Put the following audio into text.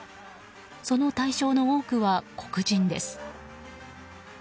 その対象の多くは黒人です。